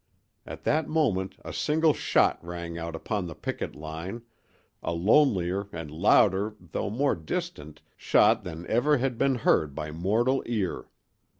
At that moment a single shot rang out upon the picket line—a lonelier and louder, though more distant, shot than ever had been heard by mortal ear!